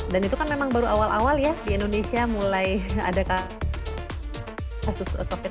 dan itu kan memang baru awal awal ya di indonesia mulai ada kasus covid sembilan belas